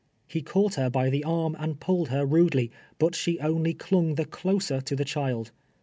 He caught her by the arm and pulled her rudely, but she only clung the closer to the child.